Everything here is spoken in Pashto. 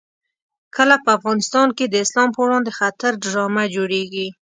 کله په افغانستان کې د اسلام په وړاندې د خطر ډرامه جوړېږي.